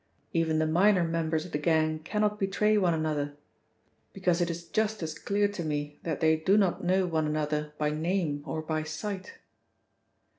Even the minor members of the gang cannot betray one another, because it is just as clear to me that they do not know one another by name or by sight."